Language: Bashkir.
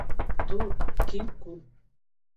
Ҙур, киң күл.